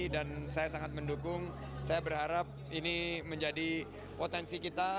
dan saya sangat mendukung saya berharap ini menjadi potensi kita